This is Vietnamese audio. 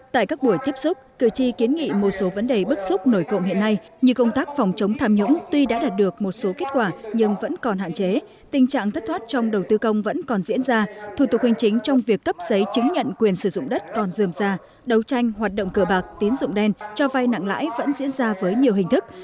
tại các buổi tiếp xúc cử tri kiến nghị một số vấn đề bức xúc nổi cộng hiện nay như công tác phòng chống tham nhũng tuy đã đạt được một số kết quả nhưng vẫn còn hạn chế tình trạng thất thoát trong đầu tư công vẫn còn diễn ra thủ tục hình chính trong việc cấp giấy chứng nhận quyền sử dụng đất còn dườm ra đấu tranh hoạt động cờ bạc tín dụng đen cho vai nặng lãi vẫn diễn ra với nhiều hình thức